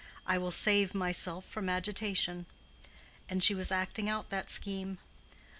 I will save myself from agitation." And she was acting out that scheme.